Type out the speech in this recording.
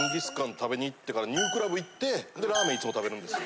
食べに行ってからニュークラブ行ってほんでラーメンいつも食べるんですよ。